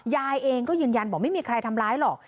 ยายเองก็ยืนยันบอกไม่มีใครทำร้ายหรอก